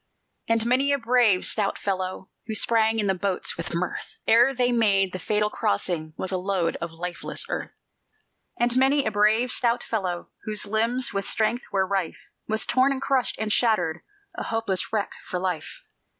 And many a brave, stout fellow, Who sprang in the boats with mirth, Ere they made that fatal crossing Was a load of lifeless earth. And many a brave, stout fellow, Whose limbs with strength were rife, Was torn and crushed and shattered, A hopeless wreck for life.